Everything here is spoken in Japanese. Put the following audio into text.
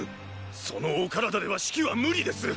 そのお体では指揮は無理です！